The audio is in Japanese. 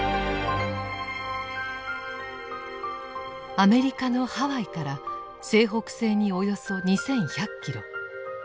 アメリカのハワイから西北西におよそ２１００キロ。